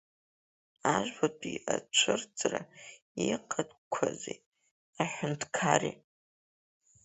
Ажәбатәи ацәырҵра иҟақәази аҳәынҭқари.